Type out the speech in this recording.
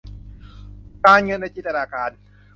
การเงินในจินตนาการ